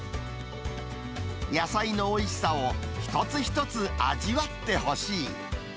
野菜のおいしさを一つ一つ味わってほしい。